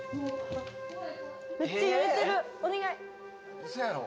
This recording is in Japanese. めっちゃ揺れてるお願いウソやろ？